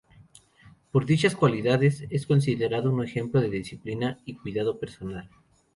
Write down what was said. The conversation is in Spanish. Por dichas cualidades es considerado un ejemplo de disciplina y cuidado personal.